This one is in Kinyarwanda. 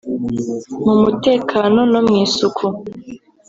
mu mutekano no mu isuku